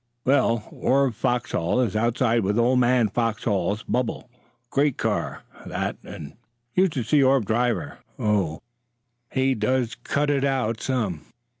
"Well, Orv Foxhall is outside with old man Foxhall's bubble. Great car, that. And you should see Orv drive her. Oh, he does cut it out some!